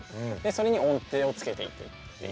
それに音程をつけていってるっていう。